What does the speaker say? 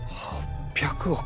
８００億。